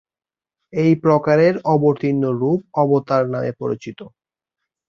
এই প্রকারের অবতীর্ণ রূপ "অবতার" নামে পরিচিত।